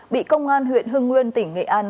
bị công an huyện hưng nguyên tỉnh nghệ an